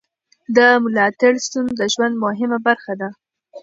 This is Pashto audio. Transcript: د ملاتړ شتون د ژوند مهمه برخه ده.